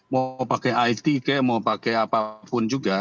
mau pakai itk mau pakai apapun juga